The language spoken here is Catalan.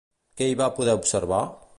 Què hi va poder observar?